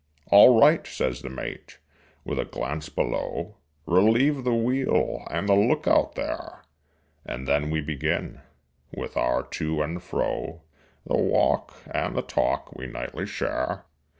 "All right!" says the mate, with a glance below; "Relieve the wheel and the lookout there!" And then we begin, with our to and fro, The walk and the talk we nightly share.